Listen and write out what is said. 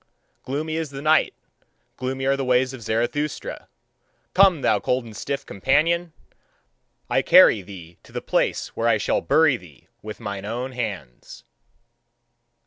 Gloomy is the night, gloomy are the ways of Zarathustra. Come, thou cold and stiff companion! I carry thee to the place where I shall bury thee with mine own hands.